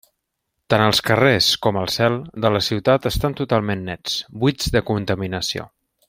Tant els carrers com el «cel» de la ciutat estan totalment nets, buits de contaminació.